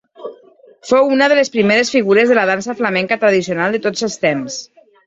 Fou una de les primeres figures de la dansa flamenca tradicional de tots els temps.